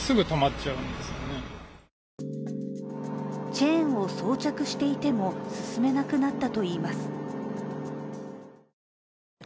チェーンを装着していても進めなくなったといいます。